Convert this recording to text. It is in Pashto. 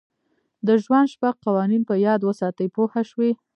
د ژوند شپږ قوانین په یاد وساتئ پوه شوې!.